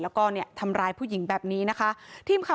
แล้วก็เนี้ยทำร้ายผู้หญิงแบบนี้นะคะ